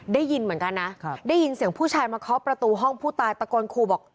ได้ยินเหมือนกันนะได้ยินเสียงผู้ชายมาเคาะประตูห้องผู้ตายตะโกนครูบอก